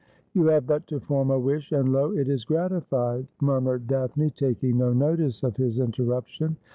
' You have but to form a wish, and, lo ! it is gratified,' mur mured Daphne, taking no notice of his interruption.